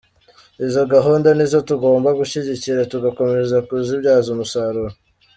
Izo gahunda nizo tugomba gushyigikira tugakomeza kuzibyaza umusaruro.